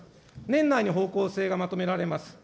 年内に方向性がまとめられます。